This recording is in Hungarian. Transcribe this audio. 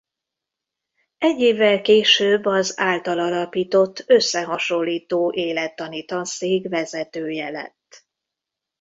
Egy évvel később az általa alapított összehasonlító élettani tanszék vezetője lett.